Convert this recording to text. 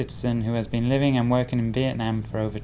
tại việt nam